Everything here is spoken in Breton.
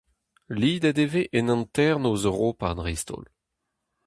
Lidet e vez en hanternoz Europa dreist-holl.